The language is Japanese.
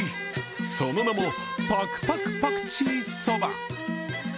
その名もパクパクパクチーそば。